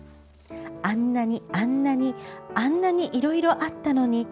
「あんなにあんなにあんなにいろいろあったのに」